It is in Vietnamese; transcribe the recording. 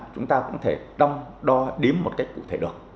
chúng ta cũng thể đong đo đếm một cách cụ thể được